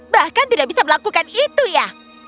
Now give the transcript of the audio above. bahkan tidak bisa melakukan itu ya